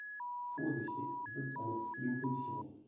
Vorsichtig, es ist eine flinke Sicherung.